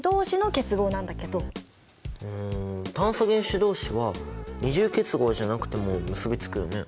うん炭素原子同士は二重結合じゃなくても結び付くよね。